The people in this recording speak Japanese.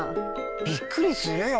びっくりするよ！